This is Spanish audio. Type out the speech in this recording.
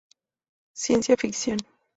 Ciencia ficción.